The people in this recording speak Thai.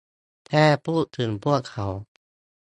แค่พูดถึงพวกเขา